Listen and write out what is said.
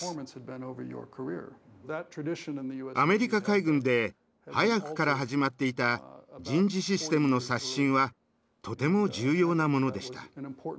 アメリカ海軍で早くから始まっていた人事システムの刷新はとても重要なものでした。